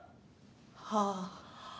はあ。